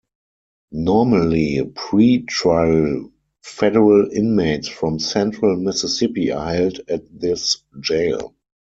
Normally pre-trial federal inmates from central Mississippi are held at this jail.